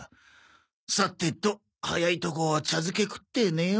さてと早いとこ茶漬け食って寝よ。